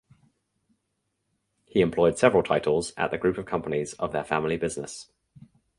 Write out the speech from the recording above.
He employed several titles at the group of companies of their family business.